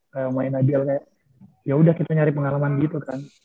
kayak main nabil kayak yaudah kita nyari pengalaman gitu kan